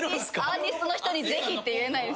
アーティストの人にぜひって言えない。